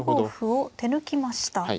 ２五歩を手抜きました。